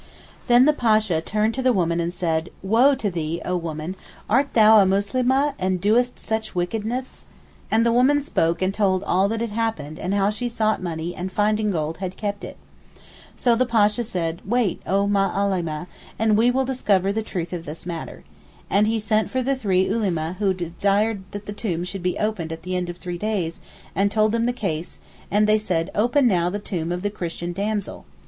'Then the Pasha turned to the woman and said, "Woe to thee O woman, art thou a Muslimeh and doest such wickedness?" And the woman spoke and told all that had happened and how she sought money and finding gold had kept it. So the Pasha said, "Wait oh Ma allim, and we will discover the truth of this matter," and he sent for the three Ulema who had desired that the tomb should be opened at the end of three days and told them the case; and they said, "Open now the tomb of the Christian damsel."